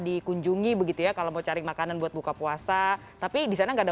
dikunjungi begitu ya kalau mau cari makanan buat buka puasa tapi di sana nggak ada